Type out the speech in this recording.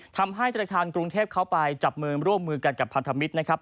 ทำให้ธนาคารกรุงเทพเขาไปจับมือร่วมมือกันกับพันธมิตรนะครับ